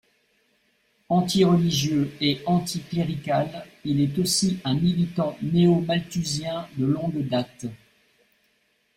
Antireligieux et anticlérical il est aussi un militant néo-malthusien de longue date.